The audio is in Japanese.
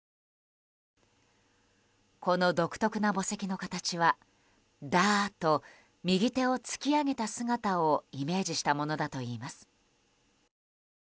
この独特な墓石の形は「ダー！」と右手を突き上げた姿をイメージしたものだといいます。